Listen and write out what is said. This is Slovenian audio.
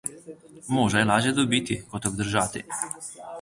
Moža je lažje dobiti kot obdržati.